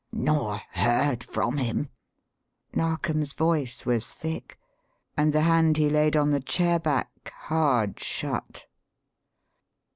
"Nor heard from him?" Narkom's voice was thick and the hand he laid on the chair back hard shut.